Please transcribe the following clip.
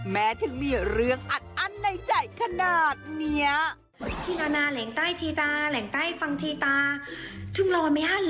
พวยเล้งหมดไหม